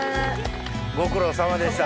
ご苦労さまでした。